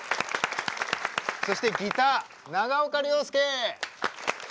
そしてギター長岡亮介。